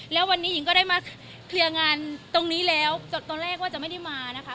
แล้ววันนี้หญิงก็ได้มาเคลียร์งานตรงนี้แล้วตอนแรกว่าจะไม่ได้มานะคะ